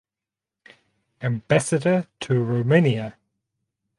Ambassador to Romania.